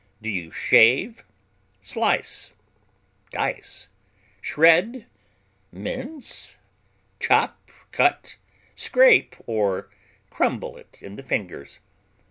Do you shave, slice, dice, shred, mince, chop, cut, scrape or crumble it in the fingers?